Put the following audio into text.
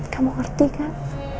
kamu ngerti kan